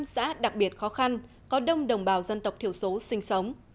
bảy mươi năm xã đặc biệt khó khăn có đông đồng bào dân tộc thiểu số sinh sống